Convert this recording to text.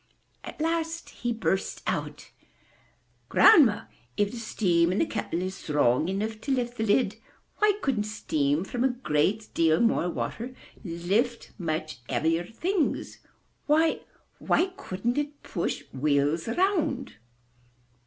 At last he burst out: "Grandma, if the steam in that kettle is strong enough to lift the lid, why couldn't steam from a great deal more water lift much heavier things? Why — why couldn't it push wheels around?"